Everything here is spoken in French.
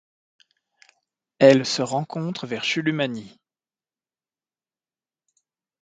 Elle se rencontre vers Chulumani.